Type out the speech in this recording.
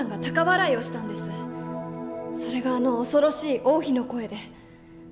それがあの恐ろしい王妃の声で。